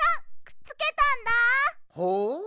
ほう！